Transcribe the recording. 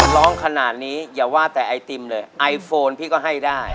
ร้องขนาดนี้อย่าว่าแต่ไอติมเลยไอโฟนพี่ก็ให้ได้